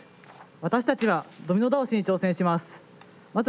私たちはドミノ倒しに挑戦します。